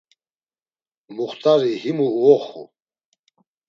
Muxt̆ari himu uoxu.